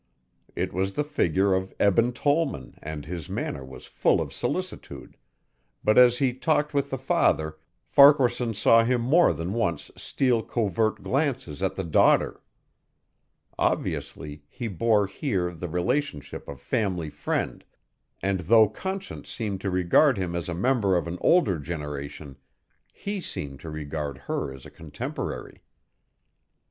It was the figure of Eben Tollman and his manner was full of solicitude but as he talked with the father, Farquaharson saw him more than once steal covert glances at the daughter. Obviously he bore, here, the relationship of family friend, and though Conscience seemed to regard him as a member of an older generation, he seemed to regard her as a contemporary.